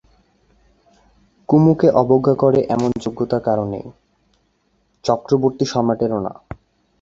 কুমুকে অবজ্ঞা করে এমন যোগ্যতা কারো নেই, চক্রবর্তী-সম্রাটেরও না।